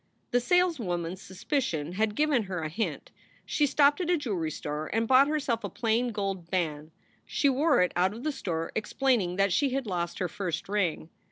The saleswoman s suspicions had given her a hint. She stopped at a jewelry store and bought herself a plain gold band. She wore it out of the store, explaining that she had lost her first ring.